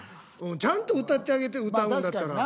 ちゃんと歌ってあげて歌うんだったら。